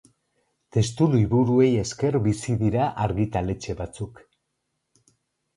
Testuliburuei esker bizi dira argitaletxe batzuk.